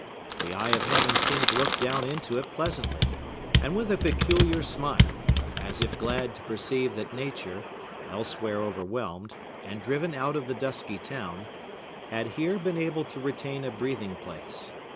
The eye of Heaven seemed to look down into it pleasantly, and with a peculiar smile, as if glad to perceive that nature, elsewhere overwhelmed, and driven out of the dusty town, had here been able to retain a breathing place.